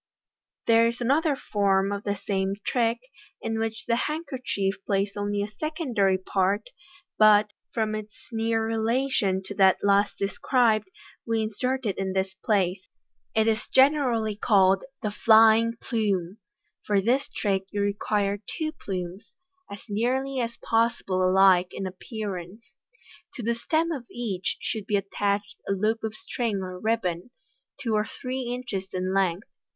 There is another form of the same trick, in which the handkerchief plays only a secondary part, but, from its near rela tion to that last described, we insert it in this place. It is generally called 2 $6 MODERN MAGIC. The Flying Plume. — For this trick you require two plumes, as nearly as possible alike in appearance. To the stem of each should be attached a loop of string or ribbon, two or three inches in length.